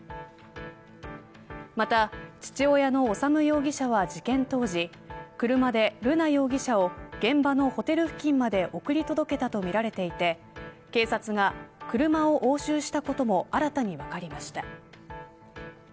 また父親の修容疑者は事件当時車で、瑠奈容疑者を現場のホテル付近まで送り届けたとみられていて警察が車を押収したことも新たに分かりました。